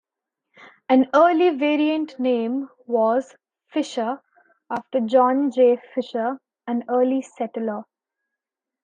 An early variant name was "Fisher", after John J. Fisher, an early settler.